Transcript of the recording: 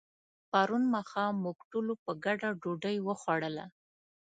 پرون ماښام موږ ټولو په ګډه ډوډۍ وخوړله.